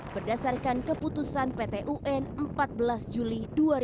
berdasarkan keputusan pt un empat belas juli dua ribu dua puluh